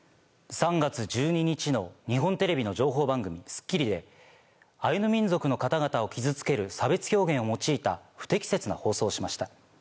３月１２日の日本テレビの情報番組『スッキリ』でアイヌ民族の方々を傷つける差別表現を用いた不適切な放送をしました。